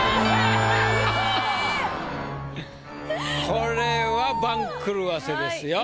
これは番狂わせですよ。